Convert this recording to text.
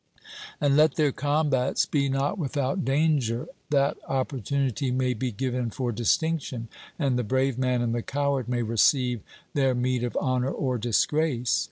And let their combats be not without danger, that opportunity may be given for distinction, and the brave man and the coward may receive their meed of honour or disgrace.